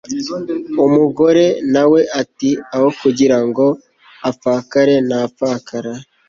umugore na we ati 'aho kugira ngo upfakare na pfakara